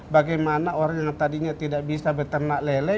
bagaimana orang yang tadinya tidak bisa beternak lele